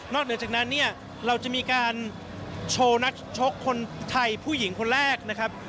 เหนือจากนั้นเนี่ยเราจะมีการโชว์นักชกคนไทยผู้หญิงคนแรกนะครับ